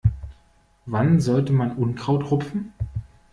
Wann sollte man Unkraut rupfen?